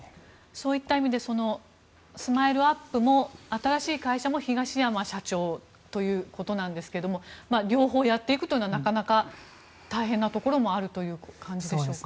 そういった意味でＳＭＩＬＥ−ＵＰ．も新しい会社も東山社長ということなんですが両方やっていくというのはなかなか大変なこともあるという感じでしょうか。